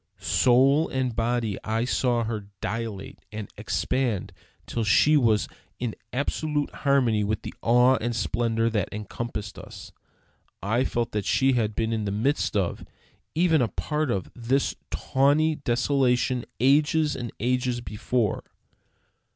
Soul and body I saw her dilate and expand till she was in absolute harmony with the awe and splendor that encompassed us. I felt that she had been in the midst of, even a part of, this tawny desolation ages and ages before.